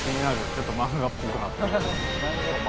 ちょっと漫画っぽくなってる。